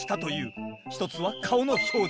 ひとつは顔の表情。